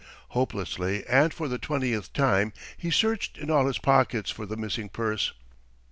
Hopelessly, and for the twentieth time, he searched in all his pockets for the missing purse.